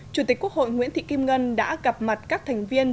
chủ tịch quốc hội nguyễn thị kim ngân đã gặp mặt các thành viên